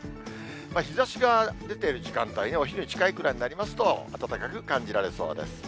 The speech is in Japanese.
日ざしが出ている時間帯ね、お昼近いぐらいになりますと、暖かく感じられそうです。